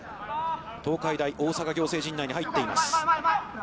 東海大大阪仰星陣内に入っています。